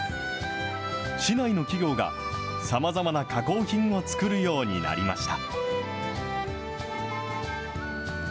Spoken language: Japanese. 市内の企業がさまざまな加工品を作るようになりました。